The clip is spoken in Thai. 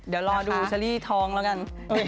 เดี๋ยวรอดูเชอรี่ท้องแล้วกัน